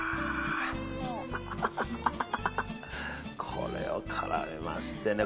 これを絡めましてね